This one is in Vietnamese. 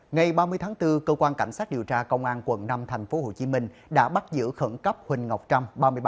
ngày ba mươi tháng bốn cơ quan cảnh sát điều tra công an quận năm tp hcm đã bắt giữ khẩn cấp huỳnh ngọc trâm